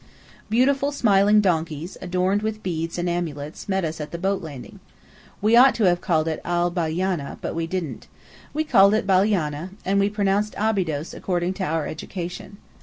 Beautiful smiling donkeys, adorned with beads and amulets, met us at the boat landing. We ought to have called it Al Balyana, but we didn't. We called it Baliana, and we pronounced Abydos according to our education.